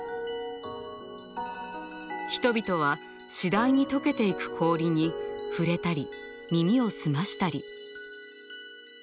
人々は次第に解けていく氷に触れたり耳を澄ましたり。